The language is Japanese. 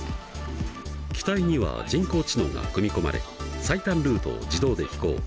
機体には人工知能が組み込まれ最短ルートを自動で飛行。